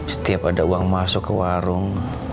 setiap ada uang masuk ke warung